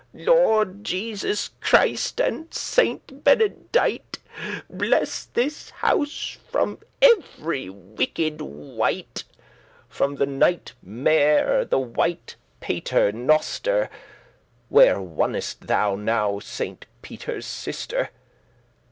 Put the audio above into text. "Lord Jesus Christ, and Sainte Benedight, Blesse this house from every wicked wight, From the night mare, the white Pater noster; Where wonnest* thou now, Sainte Peter's sister?"